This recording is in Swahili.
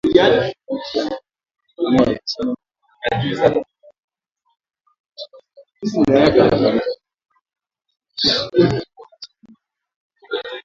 Benki ya Dunia ilisema mapato ya Uganda kwa kila mtu yaliimarika sana kati ya elfu mbili na moja na elfu mbili na mbili